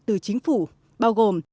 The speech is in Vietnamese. từ chính phủ bao gồm